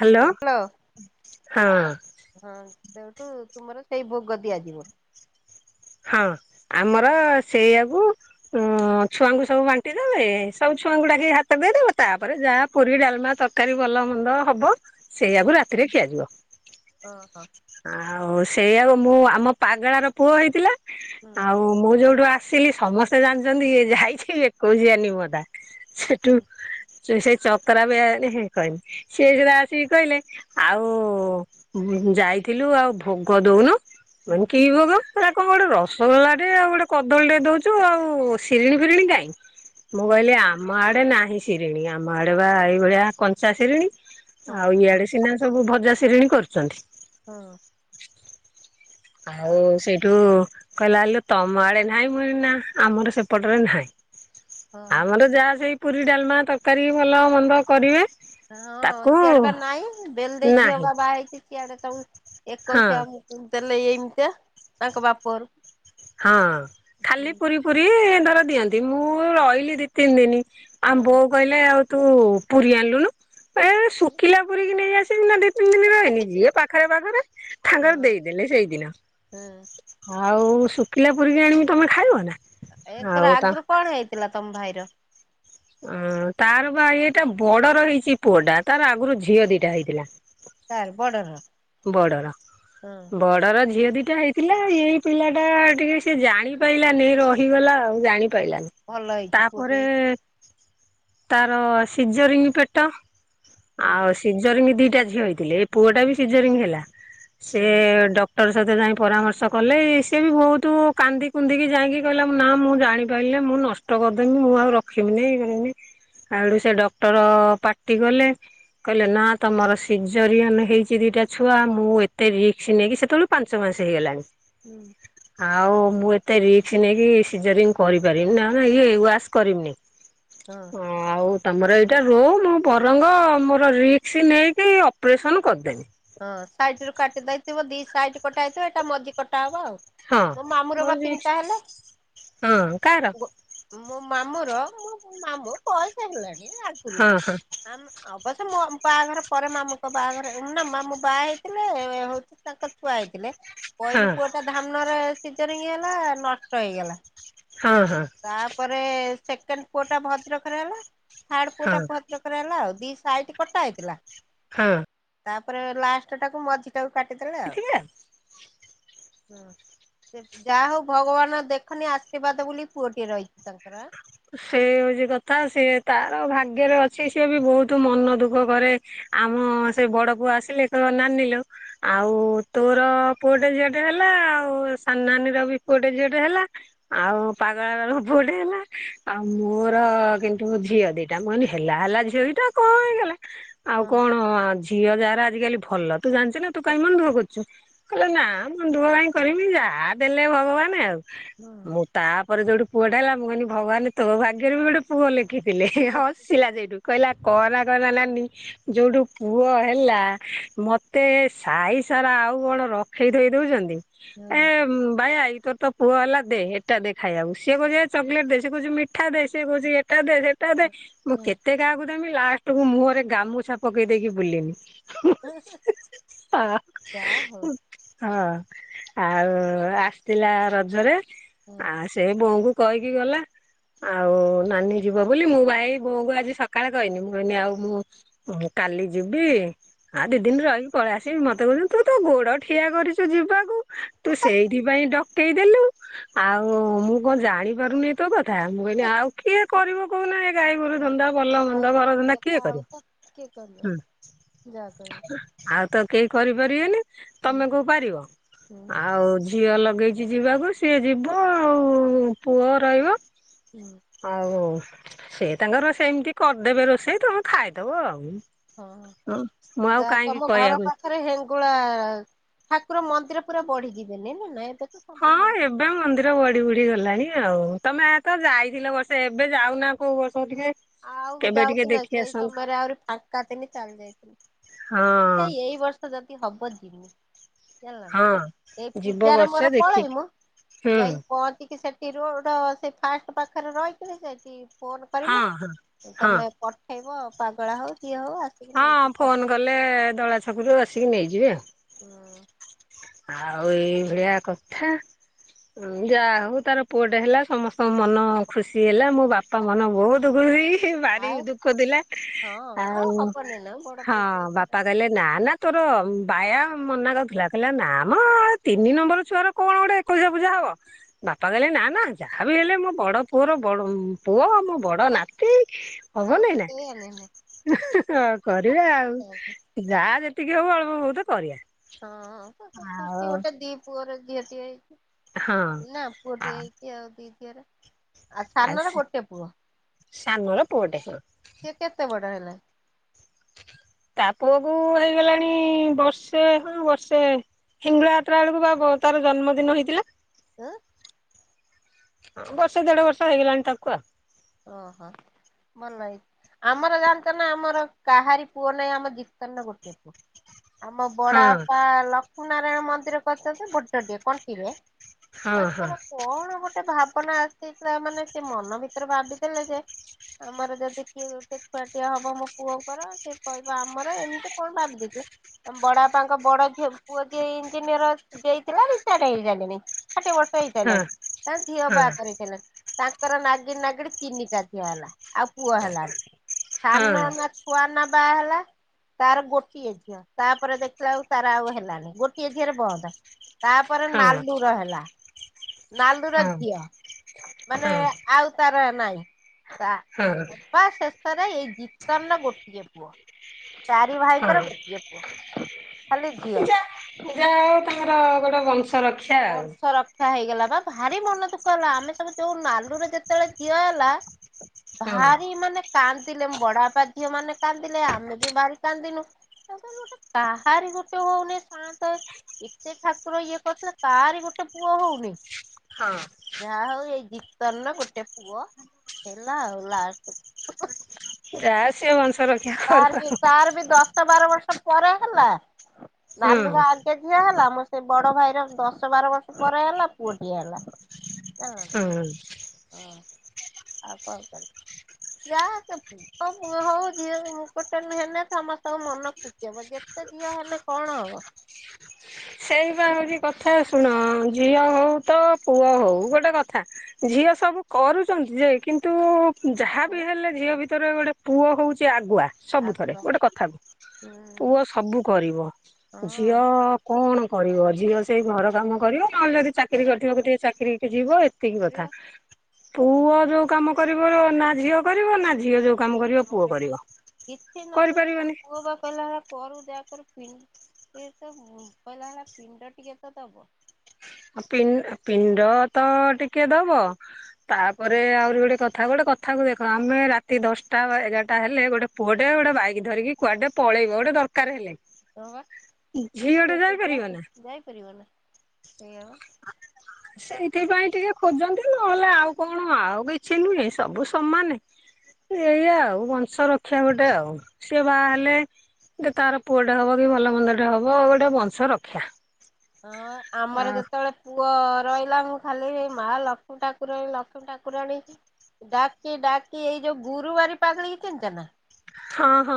Hello ଯିବ [unintelligible] ହଁ ହଁ ସେଇଟୁ ତୁମର ସେଇ ଭୋଗ ଦିଆଯିବ। ହଁ ଆମର ସେଇଆକୁ ଉଁ ଛୁଆଙ୍କୁ ସବୁ ବାଣ୍ଟିଦବେ ସବୁ ଛୁଆଙ୍କୁ ଡାକି ହାତ ଦୋଇଦେବେ ତାପରେ ଯା ପୁରୀ ଡାଲମା ତର କାରୀ ଭଲ ମନ୍ଦ ହବ ସେଇଆକୁ ରାତିରେ ଖିଆଯିବ ଓ ହ ଆଉ ସେଇଆକୁ ମୁଁ ଆମ ପଗେଳାର ପୁଅ ହେଇଥିଲା ହୁଁ ଆଉ ଉ ମୁଁ ଯୋଉଠୁ ଆସିଲି ସମସ୍ତେ ଜାଣିଚନ୍ତି ଇଏ ଯାଇଛି ଏକୋଇଶିଆ ନିମତା ସେଟୁ ହୁଁ ସେ ସେ ଚକରା ବି ଆଣିକି କଇଲେ ସିଏ ସୁଧା ଆସିକି କଇଲେ। ଆଉ ଯାଇଥିଲୁ ଆଉ ଭୋଗୋ ଦୋଉନୁ ହୁଁ ମୁଁ କଇଁନି କି ଭୋଗ? ହେରା କଁ ଗୋଟେ ରସଗୋଲା ଟେ ଆଉ ଗୋଟେ କଦଳୀ ଟେ ଦୋଉଚୁ ଆଉ ସିରିଣି, ଫିରିଣି କାଇଁ? ମୁଁ ହୁଁ କଇଲି ଆମ ଆଡେ ନାହିଁ ସିରିଣୀ ଆମ ଆଡେ ବା ଏଇଭଳିଆ କଞ୍ଚା ସିରିଣୀ। ହଁ ଆଉ ଇଆଡେ ସିନା ସବୁ ଭଜା ସିରିଣି କରୁଚନ୍ତି। ହଁ। ଆହୁ ଆଉ ସେଇଠୁ କୈଲା ଆଲୋ ତମ ଆଡେ ନାହିଁ, ମୁ କଇଲି ନା ଆମର ସେପଟରେ ନାହିଁ। ହଁ। ଆମର ଯାହା ସେଇ ପୁରୀ, ଡାଲମା, ତରକାରୀ, ଭଲ ମନ୍ଦ କରିବେ। ହଁ, ତାକୁ ସିଆଡେ ପା ନାଇଁ, ବେଲ ଦେଇ ଝିଅ ନାହିଁ ବା ବାହା ହେଇଚି ସିଆଡେ ସବୁ ହଁ ଏକୋଶିଆ ଦେଲେ ଏଇମିତିଆ ତାଙ୍କ ବାପରୁ ହଁ, ଖାଲି ପୁରୀ, ଫୁରି ଧର ଦିଅନ୍ତି, ମୁଁ ରହିଲି ଦି, ତିନ୍ ଦିନ୍। ଆମ୍ ବୋଉ କହିଲେ ଆଉ ତୁ ପୁରୀ ଆଣଲୁନୁ। ଏ ହଁ ଶୁଖିଲା ପୁରୀ କିି ନେଇ ଆସିବିନା ଦିତ୍ ତିନ୍ ଦିନ୍ ରହିନି ଯିଏ ପାଖରେ ପାଖରେ ଥାଙ୍କର ଦେଇଦେଲେ ସେଇଦିନ। ହଁ ଆଉ ଶୁଖିଲା ପୁରୀକି ଆଣିମି ତମେ ଖାଇବ ନା? ଏକେର ଆଉ ତା ଆଗୁରୁ କଣ ହେଇଥିଲା ତମ୍ ଭାଇର? ଅଁ, ତାର ବା ଏଇଟା ବଡର ହେଇଚି ପୁଅ ଟା, ତାର ଆଗୁରୁ ଝିଅ ଦିଟା ହେଇଥିଲା। କାର, ବଡର ବଡର, ହଁ ବଡର ଝିଅ ଦିଟା ହେଇ ଥିଲା, ଏଇ ପିଲା ଟା ଟିକେ ସିଏ ଜାଣି ପାଇଲାନେଇ ରହିଗଲା ଆଉ, ଜାଣିପାଇଲାନି। ଭଲ ହେଇଛି ପୁଅଟେ ତାପରେ ହେଇଛି ତାର ସିଜରିଙ୍ଗ୍ ପେଟ ହୁଁ ଆଉ ସିଜରିଙ୍ଗି ଦିଟା ଝିଅ ହେଇଥିଲେ, ଏ ପୁଅଟା ବି ସିଜରିଙ୍ଗି ହେଲା, ସେ ହଁ। ଡକ୍ ଡକ୍ଟର ସହିତ ଯାଇ ପରାମର୍ଶ କଲେ, ସିଏ ବି ଭୋହୁତୁ କାନ୍ଦି, କୁନ୍ଦିକି ଯାଇଁକି କହିଲା ନା ମୁ ଜାଣିପାଇଲନେଇ ମୁଁ ନଷ୍ଟ ଅଟ କରଦେମି ମୁଁ ଆଉ ରଖିମିନି, ଇଏ କରିମିନି। ଆଡୁ ସେ ଡକ୍ଟର ପାଟି ଗଲେ, କହିଲେ ନା ତମର ସିଜରିଆନ ହେଇଚ୍ ଦିଦିଟା ଛୁଆ ମୁଁ ଏତେ ରିକ୍ସ୍ ନେଇକି ସେତେଳୁ ପାଞ୍ଚ ମାସେ ହେଇଗଲାଣି। ହୁଁ ଆଉ ମୁଁ ଏତେ ରିକ୍ସି ନେଇକି ସିଜରିଂ କରିପାରିବିନି, ନା ମ ଇ ଏ ୱାସ୍ କରିମିନି। ହଁ। ମୁଁ ତମର ଏଇଟା ରୁମ୍, ମୁଁ ବରଙ୍ଗ ମୋର ରିକ୍ସି ନେଇକି ଅପ୍ରେସନ୍ କରଦେବି। ହଁ, ସାଇଟ ରୁ କାଟି ଦେଇଥିବ, ଦି ସାଇଟ୍ କଟା ହେଇଥିବ, ଏଇଟା ମଜି କଟା ହବ ଆଉ। ହଁ, ମୋ ମାମୁଁର ବା ମୋର ବି ତିନିଟା ହେଲେ ହଁ, କାର ମୋ ମାମୁ ର ମୋ ମାମୁ ପଇସା ହେଇଗଲାଣି ଆଗୁରୁ। ହଁ ହଁ ଆମ୍ ଅବଶ୍ୟ ମୋମ୍ ବାହାଘର ପରେ ମାମୁଁଙ୍କ ବାହାଘର ନା ମାମ୍ ମୁଁ ବାହା ହେଇଥଲେ ହେଉଛି ତାଙ୍କର୍ ଛୁଆ ହେଇଥିଲେ, ହଁ ପଇଲି ପୁଅଟା ସାହାନରେ ସିଜରିଙ୍ଗି ହେଲା ନଷ୍ଟ ଏଇଗଲା। ହଁ, ହଁ। ତାପରେ ସେକେଣ୍ଡ୍ ପୁଅ ଟା ଭଦ୍ରକରେ ହେଲା, ଥାଡ୍ ପୁଅ ହଁ ଟା ଭଦ୍ରକ୍ କରେ ହେଲା ଆଉ, ଦି ସାଇଟ୍ କଟା ହେଇଥଲା? ହଁ। ପରେ ଲାଷ୍ଟ୍ ଟାକୁ ମଝି ଟାକୁ କାଟିଦେଲେ ଆଉ, ଏଠିକା ହୁଁ। ଯା ହୋଉ ଭଗବାନ ଦେଖନି ଆଶୀର୍ବାଦ ବୋଲି ପୁଅଟିଏ ରହିଛି ତାଙ୍କର, ଆଁ। ସେ ହୋଉଛି କଥା, ସିଏ ତାର ଭାଗ୍ୟରେ ଅଛି, ସିଏ ବି ଭୋଉତ ମନ ଦୁଃଖ କରେ। ଆମ ସେ ବଡ ପୁଅ ଆସିଲେ କଇବ ନାନି ଲୋ ଆଉ ତୋର ପୁଅଟେ, ଝିଅଟେ ହେଲା ଆଉ, ସାନ ନାନୀ ର ବି ପୁଅଟେ, ଝିଅଟେ ହେଲା। ଆଉ ପାଗଳା ବେଳୁକୁ ପୁଅଟିଏ ହେଲା। ଆଉ ମୋର କିନ୍ତୁ ଝିଅ ଦିଟା, ମୁଁ କଇଲି ହେଲା ହେଲା ଝିଅ ଦିଟା କଁ ହେଇଗଲା। ହଁ ଆଉ କଣ ଝିଅ ଯାହାର ଆଜିକାଲି ଭଲ ତୁ ଜାଣଚୁ ନା ତୁ କାଇଁ ମନ୍ ଦୁଃଖ କରଚୁ। କହିଲେ ନା ମନ୍ ଦୁଃଖ କାଇଁ କରିବି ଯା ଦେଲେ ଭଗବାନ୍ ଆଉ। ମୁଁ ତାପରେ ଯୋଉଠି ପୁଅଟା ହେଲା ମୁଁ କହିଲି ଭଗବାନ ତୋ ଭାଗ୍ୟରେ ବି ଗୋଟେ। ପୁଅ ଲେଖିଥିଲେ ହଁ। ହସିଲା ଯେଠୁ କହିଲା କଅନା କଅନା ନାନି। ଯୋଉଠୁ ପୁଅ ହେଲା ମତେ ସାହି ସାରା ଆଉ କଣ ରଖେଇ ଥୋଇ ଦଉଛନ୍ତି। ଏ ହୁଁ ବାୟା ଦ୍ଭା ଇ ତୋର ତ ପୁଅ ହେଲା ଦେ ଏଟା ଦେ ଖାଇବାକୁ ସିଏ କହୁଚି ଚକଲେଟ ଦେ। ସେ କହୁଛି ମିଠା ଦେ ସେ କହୁଛି ଏଟା ଦେ ସେଟା ଦେ ମୁଁ ହୁଁ କେତେ କାହାକୁ ଦେମି ଲାଷ୍ଟକୁୁ ମୁହଁରେ ଗାମୁଛା ପକେଇ ଦେଇକି ବୁଲିମି। ହଁ ହଁ ଯା ହଉ। ହଁ ଆଉ ଆସିଥିଲା ରଜରେ ହଁ। ଆ ସେ ବୋଉଙ୍କୁ କହିକି ଗଲା। ଆଉ ନାନୀ ଯିବ ବୋଲି ମୁଁ ଭାଇ ବୋଉଙ୍କୁ ଆଜି ସକାଳେ କହନି ମୁଁ କହିଁନି ଆଉ ମୁଁ ଓ କାଲି ଯିବି ଆ ଦି ଦିନ ରହିକି ପଳେଇ ଆସିବି ମତେ କହୁଛନ୍ତି ତୁ ତ ଗୋଡ ଠିଆ କରିଚୁ ଯିବାକୁ। ତୁ ସେଇଥି ପାଇଁ ଡକେଇଦେଲୁ ଆଉ ମୁଁ କଣ ଜାଣିପାରୁନି। ତୋ କଥା ମୁଁ କହିନି ଆଉ କିଏ କରିବ କହୁନା ଏଇ ଗାଈ ଗୋରୁ ହୁଁ। ଧନ୍ଦା ଭଲଭନ୍ଦ ଘରଧନ୍ଦା କିଏ କରିବ ହୁଁ। ଯା ତମେ। ଆଉ ତ କେଇ କରିପାରିବେନି ହୁଁ ତମେ କଉପାରିବ ହୁଁ ଆଉ। ଝିଅ ଲଗେଇଚି ଯିବାକୁ ସିଏ ଯିବ ଆଉ ପୁଅ ରହିବ। ହୁଁ। ଆଉ ସେ ତାଙ୍କର ସେମିତି କରିଦେବେ ରୋଷେଇ ତମେ ଖାଇଦବ ଆଉ। ହଁ ମୁଁ ଆଉ ଯାହା କାହିଁକି ତମ ଘର କହିବାକୁ ପାଖରେ ହେନ ଗୁଳା ଠାକୁର ମନ୍ଦିର ପୁରା ବଢିଯିବେନି ନା ନାଇଁ ତ। ହଁ ସବୁ ମନ୍ଦିର ଏବେ ମନ୍ଦିର ବଢି ବଢି ଗଲାଣି ଆଉ ତମେ ଏତ ଯାଇଥିଲ ବର୍ଷେ ଏବେ ଯାଉନା କୋଉ ବର୍ଷ ଟିକେ ଆଉ କେବେ ଟିକେ ଯାଉଚିନା ଦେଖି ସେଇ ଆସନ୍ତ ସମୟରେ ଆହୁରି ଫାଙ୍କା ଥିନି ଚାଲି ଯାଇଥିନି। ହଁ ଦେଖିଆ ଏଇ ବର୍ଷ ଯଦି ହବ ଯିମି। ଜାଣିଲୁନା ହଁ ଏଇ ଯିବ ପୂଜାରେ ବର୍ଷେ ମୋର ଦେଖିକି ପଳେଇମୁ ହୁଁ ଯାଇକି ପହଞ୍ଚିକି ସେ କି ରୋଡ ସେ ଫାଷ୍ଟ ପାଖରେ ରହିଥିଲେ ସେଇଟି ଫୋନ ହଁ କରିମୁ। ହଁ ହଁ ତମେ ପଠେଇବ ପାଗଳା ହଉ କିଏ ହଉ ଆସିକି ହଁ ନେଇଯିବ ଫୋନ କଲେ ଦଳା ଛକରୁ ଆସିକି ନେଇଯିବେ ଆଉ। ହୁଁ। ଆଉ ଏଇ ଭଳିଆ କଥା। ହୁଁ ଯାହା ହଉ ତାର ପୁଅଟେ ହେଲା ସମସ୍ତଙ୍କ ମନ ଖୁସି ହେଲା ମୋ ବାପା ମନ ବହୁତ ଖୁସି। ସେ ହୁଁ ଭାରି ଆଉ ଦୁଃଖ ଥିଲା ହଁ ଆଉ ହବନି ନା ବଡ ହଁ ପୁଅଟିଏ ତାର। ବାପା କଇଲେ ନା ନା ତୋର ବାୟା ମନା କରୁଥିଲା। କଇଲା ନାମ ତିନି ନମ୍ବର ଛୁଆର କଣ ଗୋଟେ ଏକୋଉସିଆ ପୂଜା ହବ। ବାପା କହିଲେ ନା ନା ଯାହା ବିି ହେଲେ ମୋ ବଡ଼ ପୁଅର ବଡଉ ପୁଅ ମୋ ବଡ ଆ ନାତି ହବ ଆଉ ନାଇଁ ନା। ସେଇଆ ନୁହେଁ ହେଁ ହେଁ କରିବା ଆଉ ଯାହା ଯେତିକି ହୋଉ ଅଳ୍ପ ବହୁତ କରିବା। ହଁ ତ ସେ ଖୁସି ଆଉ ଗୋଟେ ଦି ପୁଅର ଝି଼ଅ ଟିଏ ହଁ ହେ ନା ପୁଅ ଟିଏ ହେଇଚି ଆଉ ଦି ଝିଅରେ। ଆଉ ସାନର ଗୋଟେ ପୁଅ, ସାନର ପୁଅଟେ ହଁ ସେ କେତେ ବଡ ହେଲା ତା ପୁଅକୁ ହେଇଗଲାଣି ବର୍ଷେ ହଁ ବର୍ଷେ। ହିଙ୍ଗଳା ଯାତ୍ରା ବେଳକୁ ବା ତାର ଜନ୍ମଦିନ ହେଇଥିଲା। ଆଁ ବର୍ଷେ ଦେଢ ବର୍ଷ ହେଇଗଲାଣି ତାକୁ ଆଉ। ଓ ହୋ ଭଲ ହେଇ ଆମର ଜାଣିଛ ନା ଆମର କାହାରି ପୁଅ ନାହିଁ ଆମ ଜୀତନ ର ଗୋଟେ ପୁଅ। ଆମ ହଁ ବଡାପା ଲକ୍ଷ୍ମୀ ନାରାୟଣ ମନ୍ଦିର କରିଛନ୍ତି, ବଡ ଟିଏ କଣ୍ଟିରେ। ହଁ ତାଙ୍କର ହଁ କଣ ଗୋଟେ ଭାବନା ଆସିଯାଇଥିଲା ମାନେ ସେ ମନ ଭି ତରେ ଭାବିଦେଲେ ଯେ ଆମର ଯଦି କିଏ ଗୋଟେ ଛୁଆଟିଆ ହବ ମୋ ପୁଅଙ୍କର ସେ କହିବ ଆମର ଏମିତି କଣ ଭାବି ଦେଇଥିଲେ। ଆମ ବଡପାଙ୍କ ବଡ ଝିଅ ପୁଅ ଯିଏ ଇଞ୍ଜିନିୟର ଦେଇଥିଲା ରିଟାଟ ହେଇସାଇଲେଣି। ଷାଠଏ ବର୍ଷ ହେଇଲାଣି ତାଙ୍କ ଝିଅ ହଁ ବାହା କରିସାଇଲେଣି ତାଙ୍କର ନାଗି କି ନାଗିଡ ତିନି ଝିଅ ହେଲା ଆଉ ପୁଅ ହେଲାନି ହଁ ସାନ ନା ଖୁଆ ନା ବାହା ହେଲା। ତାର ଗୋଟିଏ ଝିଅ ତାପରେ ଦେଖିଲା ଆଉ ତାର ଆଉ ହେଲାନି ଗୋଟିଏ ଝିଅରେ ବନ୍ଦ। ତାପରେ ହଁ ହଁ ନାଲଡୁର ହେଲା ନାଲଡୁର ହଁ ଝିଅ। ମାନେ ଆଉ ତାର ନାଇଁ ତା ହଁ ସବା ସେ ଶରେ ଏଇ ଜିତନର ଗୋଟିଏ ପୁଅ। ତାରି ହଁ ଭାଇଙ୍କର ହଁ ଗୋଟିଏ ପୁଅ ଖାଲି ଝିଅ। ଯା ଯାହା ହଉ ତାଙ୍କର ଗୋଟେ ବଂଶ ରକ୍ଷା ଆଉ। ବଂଶର ଖା ହେଇଗଲା ପା ଭାରି ମନ ଦୁଃଖ ହେଲା ଆମେ ସବୁ ଯୋଉ ନାଲୁର ଯେତେବେଳେ ଝିଅ ହେଲା ହଁ ଭାରି ମାନେ କାନ୍ଦିଲେ ମୋ ବଡାପା ଝିଅମାନେ କାନ୍ଦିଲେ ଆମେ ବି ଭାରି କାନ୍ଦିନୁ ଆମେ କହିଲୁ ଗୋଟେ କାହାରି ଗୋଟେ ହଉନି ସାଆନ୍ତେ ଏତେ ଠାକୁର ଇଏ କତ୍ ଲୋ କାରି ଗୋଟେ ପୁଅ ହଉନି। ହଁ। ଯାହା ହଉ ଏଇ ଗୀର୍ତନର ଗୋଟେ ପୁଅ ହେଲା ଆଉ ଲାଷ୍ଟୁ ଯା ସିଏ ବଂଶର ତାର ବି ତାର ବି ଦଶ ବାର ବର୍ଷ ପରେ ହେଲା ହୁଁ ନାଲୁର ଆଗେ ଝିଅ ହେଲା ମୋ ସେ ବଡ ଭାଇର ଦଶ ବାର ବର୍ଷ ପରେ ହେଲା ପୁଅଟିଏ ହେଲା। ଜାଣିଲ ହୁଁ। ନ୍। ଅ ଆଉ କଁ କରି ଯାହା ହଉ ସେ ପୁ ଅ ପୁଅ ହଉ ଝିଅ ମୁଁ ଗୋଟେ ହେନେ ହେନେ ସମସ୍ତଙ୍କ ମନ ଖୁସି ହବ ଯେତେ ଝିଅ ହେଲେ କଣ ହବ। ସେଇ ବା ହଉଛି କଥା ଶୁଣ ଝିଅ ହଉ ତ ପୁଅ ହଉ ଗୋଟେ କଥା ଝିଅ ସବୁ କରୁଚନ୍ତି ଯେ କିନ୍ତୁ ଯାହା ବି ଆଉ ହେଲେ ଝିଅ ଭିତରେ ଗୋଟେ ପୁଅ ହଉଚି ଆଗୁଆ। ସବୁଥରେ ହୁଁ ଗୋଟେ କଥାକୁ ପୁଅ ସବୁ କରିବ ଝିଅ ହଁ କଣ କରିବ ଝିଅ ସେଇ ଘର କାମ କରିବ ନହେଲେ ଯଦି ଚାକିରି କରିଥିବକୁ ଟିକେ ଚାକିରିକି ଯିବ ଏ ତିକି କଥା କରିବା ପୁଅ ଯୋଉ କାମ କରିବାର ନା ଝିଅ କରିବ ନା ଝିଅ ଯୋଉ କାମ କରିବ ପୁଅ କରିବ କିଛି ନହେଲେ ମୋ କରିପାରିବେନି। ପୁଅ ବା କଇଲା ଭଳା କରୁ ଯା କରୁ ପିନ୍ ଟିକେ ତ ଉଁ କହିଲା ଭଳିଆ ପିଣ୍ଡ ଟିକେ ତ ଦବ। ଆଉ ପିନ୍ ଆଉ ପିଣ୍ଡ ତ ଟିକେ ଦବ। ତାପରେ ଆହୁରି ଗୋଟେ କଥା ଗୋଟେ କଥାକୁ ଦେଖ ଆମେ ରାତି ଦଶଟା ବା ଏଗାରଟା ହେଲେ ଗୋଟେ ପୁଅଟେ ଗୋଟେ ବାଇକ ଧରିକି କୁଆଡେ ପଳେଇବ ଗୋଟେ ଦରକାର ହେଲେ। ହଁ ବା ଝିଅଟେ ଯାଇପାରିବ [unintelligible] ନା ଯାଇପାରିବ ନା ସେଇଆ ବା। ସେଇଥିପାଇଁ ଟିକେ ଖୋଜନ୍ତି ନହେଲେ ଆଉ କଣ ଆଉ କିଛି ନୁହେଁ ସବୁ ସମାନେ। ଉ ଏଇଆ ଆଉ ବଂଶ ରକ୍ଷା ଗୋଟେ ଆଉ ସିଏ ବାହା ହେଲେ ଯେ ତାର ପୁଅଟେ ହବ କି ଭଲ ମନ୍ଦଟେ ହବ ଗୋଟେ ବଂଶ ରକ୍ଷା। ହଁ ବା ଆମର ଯେତବେଳେ ପୁଅ ରଇଲା ମୁଁ ଖାଲି ହେଇ ମା ଲକ୍ଷ୍ମୀ ଠାକୁରାଣୀ ଲକ୍ଷ୍ମୀ ଠାକୁରାଣୀ ଡାକି ଡାକି ଏଇ ଯୋଉ ଗୁରୁବାରୀ ପାଗିଳିକି ଚିନଚ ନା। ହଁ ହଁ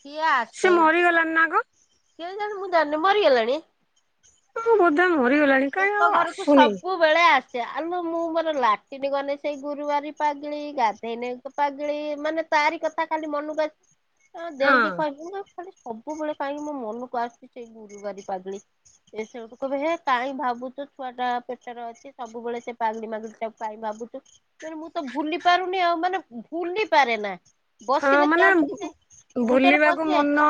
ସିଏ ଆସେ ସିଏ ମରିଗଲାଣି ନା କଁ। କେଜାଣି ମୁଁ ଜାଣିନି ମରିଗଲାଣି। ହୁଁ ବୋଧେ ମରିଗଲାଣି। କାହିଁ ଏଙ୍କ ଆଉ ଘରୁକୁ ଆସୁନି ସବୁ ବେଳେ ଆସେ ଆଲୋ ମୁଁ ମୋର ଲାଟିନୀ ଗନେ ସେଇ ଗୁରୁବାରୀ ପାଗିଳି ଗାଧେଇନେ ପାଗିଳି ମାନେ ତାରି କଥା ଖାଲି ମନୁକୁ ଆସ୍ ଏ ଆମ ହଁ ଦେଇଙ୍କି କହିଲି ମୁଁ କହିବି ଖାଲି ସବୁବେଳେ କାହିଁକି ମୋ ମନୁକୁ ଆସୁଚି ଛେଇ ଗୁରୁବାରୀ ପାଗିଳି ଏ ସବୁକୁ କହିବ ହେ କାଇଁ ଭାବୁଚୁ ଛୁଆଟା ପେଟେରେ ଅଛି ସବୁବେଳେ ସେ ପାଗିଳି ମାଗିଳିଟାକୁ କାଇଁ ଭାବୁଚୁ। ମୁଁ କଇନି ମୁଁ ତ ଭୁଲି ପାରୁନି ଆଉ ମାନେ ଉ ଭୁଲି ପାରେ ନା। ହଁ ବସିଲେ ମାନେ ଉଁ ଚଟିକି ଉଁ ସେ ଉଁ ମୁଣ୍ଡରେ ଭୁଲିବାକୁ ପଶିଯାଇଥିଲା ମନ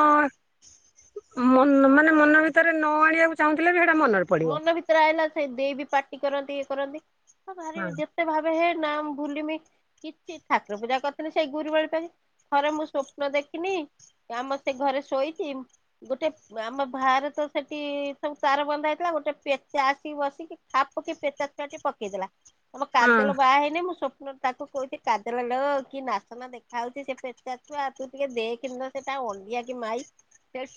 ମନ୍ ମାନେ ମନ ଭିତରେ ନ ଆଣିବାକୁ ଚାହୁଁଥିଲେ ବି ହେଇଟା ମନରେ। ପଡିବ। ମନ ଭିତେରେ ଆଇଲା ସେଇ ଦେଇ ବି ପାଟି କରନ୍ତି ଇଏ କରନ୍ତି ଆ ଭାରି ହଁ ବି ଯେ ଯେତେଭାବେ ହେଁ ନା ମୁଁ ଭୁଲିମି। କିଛି ଠାକୁର ପୂଜା କରିଥିଲେ ସେଇ ଗୁରୁବାର ପାଇଁ ଥରେ ମୁଁ ସ୍ଵପ୍ନ ଦେଖିନି। ଆମ ସେ ଘରେ ଶୋଇଛି ଗୋଟେ ଆମ ବାହାରେ ତ ସେଠି ସବୁ ତାର ବନ୍ଧା ହେଇ ଗୋଟେ ପେଚା ଆସିକି ବସିକି ଖାପ୍କି ପେଟା ଛୁଆଟି ପକେଇଦେଲା। ଆମ ହଁ କାଜଲ ବାହା ହେଇନି ମୁଁ ସ୍ୱପ୍ନ ତାକୁ କହୁଥିଲି କାଜଲ ଲୋ କି ନାଶନା ଦେଖାଯାଉଛି ସେ ପେଚା ଛୁଆ ତୁ ଟିକେ ଦେଖେ ନା ସେଟା ଅଣ୍ଡିଆ କି ମାଇ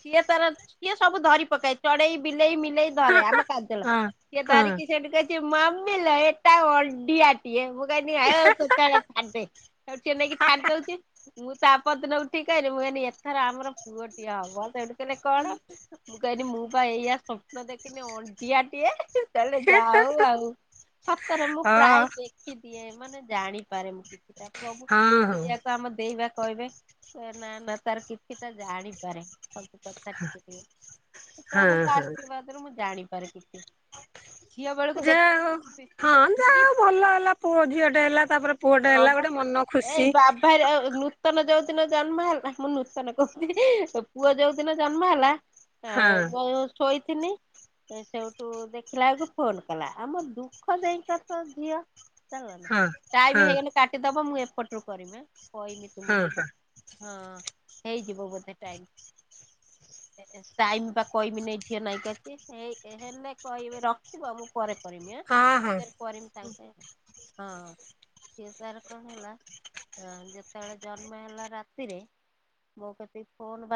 ସିଏ ତାର ସିଏ ସବୁ ଧରି ପକାଏ ଚଢେଇ ବିଲେଇ ମିଲେଇ ଆମ କାଜଲ ହଁ କିଏ ହଁ ଧରିକି ସେଠି କହୁଛି ମମିଲୋ ଏଟା ଅଡିଆ ସିଏ ମୁଁ କଇଲି ହଉ ତୁ ତାର ଛାଡ଼ଦେ ହେଠୁ ସିଏ ନେଇକି ଛାଡ଼ି ଦଉଚି। ମୁଁ ତାପରଦିନ ଉଠିକି କହିଲି ମୁଁ କଇଁଲି ଏଥର ଆମର ପୁଅ ଟିଏ ହବ ସେଇଠୁ କହିଲେ କଣ? ମୁଁ କହିଲି ମୁଁ ପା ଏଇଆ ସ୍ୱପ୍ନ ଦେଖ ଅଣ୍ଡିଆଟିଏ ତାହଲେ ଯାହା ହଉ ଆଉ ସତରେ ମୁଁ ହଁ ଅ ପ୍ରାୟ ଦେଖେ ଦେଖିଦିଏ ମାନେ ଜାଣିପାରେ ମୁଁ କିଛିଟା ପ୍ରଭୁ ହଁ ହଁ। ଆକୁ ଆମ ଦେଇବା କହିବେ ନା ନା ତାର କିଛିଟା ଜାଣିପାରେ ସବୁ କଥା ଟିକେ ଟିକେ ହଁ ପ୍ରଭୁଙ୍କ ହଁ ଆଶୀର୍ବାଦରୁ ମୁଁ ଜାଣିପାର କିଛି। ଝିଅ ବେଳକୁ ଯାହା ହଉ ଦେଖିଥିଲି ହଁ ଯା ବିରି ହଉ ଭଲ ହେଲା ପୁଅ ଝିଅଟେ ହେଲା ତାପରେ ପୁଅଟା ହଁ ହେଲା ବା ଗୋଟେ ମନ ଖୁସି ଏଇ ବାବୁ ଭାଇର ଆ ନୂତନ ଯୋଉ ଦିନ ଜନ୍ମ ହେଲା ମୁଁ ନୂତନ କହୁଛି ପୁଅ ଯୋଉଦିନ ଜନ୍ମ ହେଲା ଆ ହଁ ମୁଁ ଶୋଇଥିନି ସେଉଠୁ ଦେଖିଲା ବେଳକୁ ଫୋନ କଲା ଆମ ଦୁଃଖ ଯାଇକ ତ ଝିଅ ଚାଲା ନା ହଁ ଟାଇମ୍ ହଁ ହେଇନି କାଟିଦବ ମୁଁ ଏପଟରୁୁ କରିମି କହିମି ହଁ ତୁମକୁୁ? ହଁ ହଁ ହେଇଯିବ ବୋଧେ ଟାଇମ୍। ଟାଇମ ବା କହିମି ନାଇ ଝିଅ ନାଇଁ ଅଇକା। ହେଇ ହେଲେ କହିବ ରଖିବ ମୁଁ ପରେ ଫୋ କରିମି ହଁ ହଁ। ହାଁ କରିମି ସାଙ୍ଗେ ସାଙ୍ଗେ ହଁ। ସିଏ ତାର କଣ ହେଲା ଅ ଯେତେବେଳେ ଜନ୍ମ ହେଲା ରାତିରେ ମୋ କତିକି ଫୋନ ବା